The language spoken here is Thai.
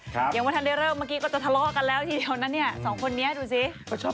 ข้าวใส่ข้าว